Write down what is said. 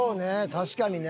確かにね。